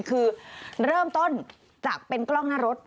คือเริ่มต้นจากเป็นกล้องหน้ารถ